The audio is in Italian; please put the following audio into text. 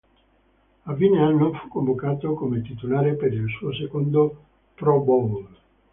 A fine anno fu convocato come titolare per il suo secondo Pro Bowl.